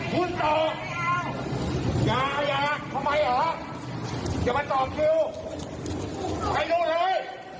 คุณตอบอย่าอย่าทำไมหรออย่ามาตอบคิวไปดูเลย